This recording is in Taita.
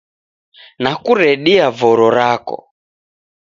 Nakuredia voro rako